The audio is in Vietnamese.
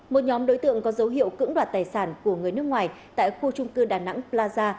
một nhóm đối tượng có dấu hiệu cưỡng đoạt tài sản của người nước ngoài tại khu trung cư đà nẵng plaza